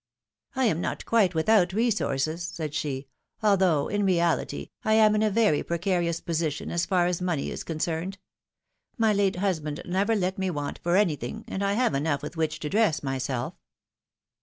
I am not quite without resources," said she, although, in reality, I am in a very precarious position as far as money is concerned. My late husband never let me want for any thing, and I have enough with which to dress myself."